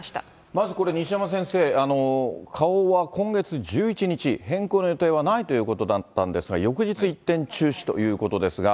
まずこれ、西山先生、花王は今月１１日、変更の予定はないということだったんですが、翌日、一転、中止ということですが。